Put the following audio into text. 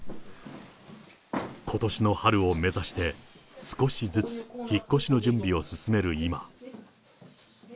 ことしの春を目指して、少しずつ引っ越しの準備を進める今。